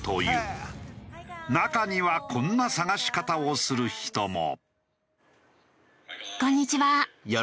中にはこんな探し方をする人も。